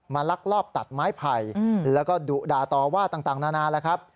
ลักลอบตัดไม้ไผ่แล้วก็ดุด่าต่อว่าต่างนานาแล้วครับ